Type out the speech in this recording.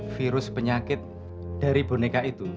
virus penyakit dari boneka itu